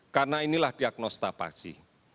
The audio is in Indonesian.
karena inilah diagnosa pasti